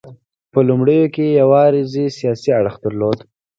په لومړیو کې یې یوازې سیاسي اړخ درلود.